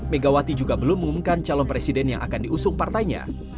megawati juga belum mengumumkan calon presiden yang akan diusung partainya